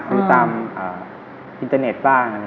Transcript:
หรือตามอินเทอร์เน็ตบ้าง